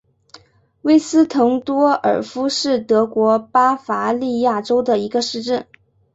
韦斯滕多尔夫是德国巴伐利亚州的一个市镇。